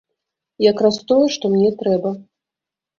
Якраз тое, што мне трэба!